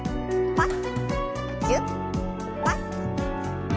パッ。